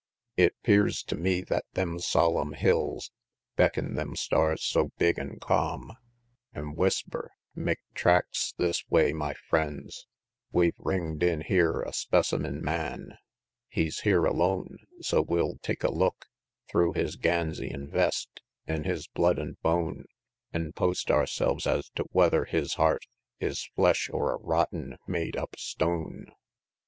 VII. It 'pears to me that them solemn hills Beckin' them stars so big an' calm, An' whisper, "Make tracks this way, my friends, We've ring'd in here a specimen man; He's here alone, so we'll take a look Thro' his ganzy an' vest, an' his blood an' bone, An post ourselves as to whether his heart Is flesh, or a rotten, made up stone!"